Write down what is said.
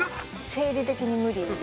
生理的に無理。